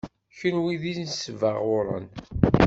Kenwi d inesbaɣuren.